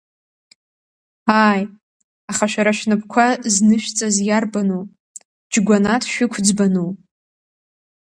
Ааи, аха шәара шәнапқәа знышәҵаз иарбану, Џьгәанаҭ шәиқәӡбану?